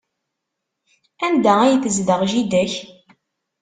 Anda ay tezdeɣ jida-k?